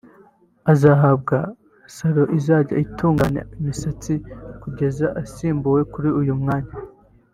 azahabwa salon izajya yita ku misatsi ye kugeza asimbuwe kuri uyu mwanya